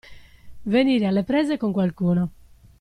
Venire alle prese con qualcuno.